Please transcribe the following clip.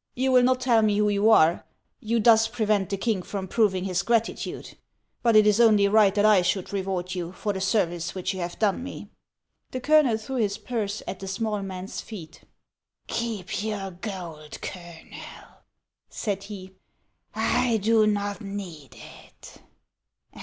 " You will not tell me who you are ; you thus prevent the king from proving his gratitude ; but it is only right that I should reward you for the service which you have done me." The colonel threw his purse at the small man's feet. 392 HANS OF ICELAND. " Keep your gold, Colonel," said he ;" I do not need it.